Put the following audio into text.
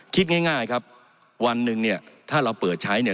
คิดง่ายครับวันหนึ่งถ้าเราเปิดใช้